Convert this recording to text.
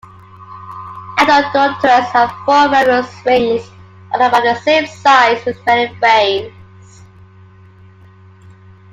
Adult Neuropterans have four membranous wings, all about the same size, with many veins.